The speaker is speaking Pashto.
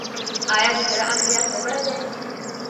ایا د زړه عملیات مو کړی دی؟